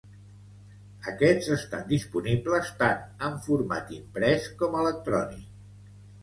Aquests estan disponibles tant en format imprès com electrònic.